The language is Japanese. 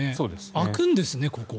空くんですね、ここ。